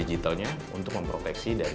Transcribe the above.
di mana dia akan menggunakan proteksi keamanan data